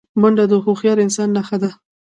منډه د هوښیار انسان نښه ده